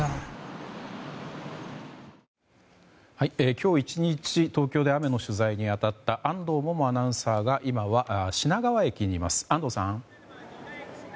今日１日東京で雨の取材に当たった安藤萌々アナウンサーが今は、品川駅にいます。